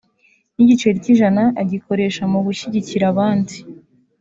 n’igiceri cy’ijana agikoresha mu gushyigikira abandi